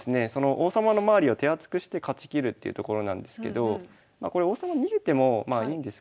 王様の周りを手厚くして勝ちきるっていうところなんですけどこれ王様逃げてもいいんですけど。